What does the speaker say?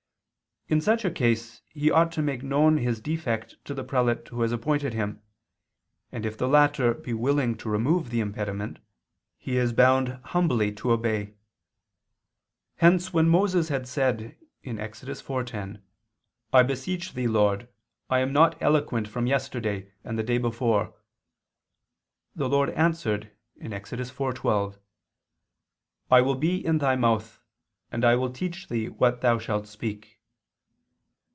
In such a case he ought to make known his defect to the prelate who has appointed him; and if the latter be willing to remove the impediment, he is bound humbly to obey. Hence when Moses had said (Ex. 4:10): "I beseech thee, Lord, I am not eloquent from yesterday, and the day before," the Lord answered (Ex. 4:12): "I will be in thy mouth, and I will teach thee what thou shalt speak."